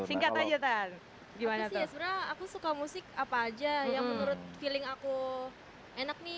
aku sih sebenarnya aku suka musik apa aja yang menurut feeling aku enak nih